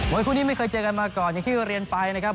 คู่นี้ไม่เคยเจอกันมาก่อนอย่างที่เรียนไปนะครับ